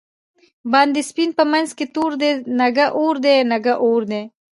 باندی سپین په منځ کی تور دۍ، نگه اور دی نگه اور دی